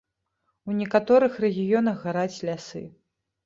У некаторых рэгіёнах гараць лясы.